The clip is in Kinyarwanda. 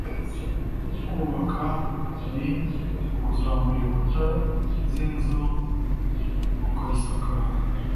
kubaka ni ukuzamura inkuta z’inzu ukayisakara,